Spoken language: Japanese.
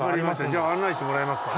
じゃあ案内してもらえますか。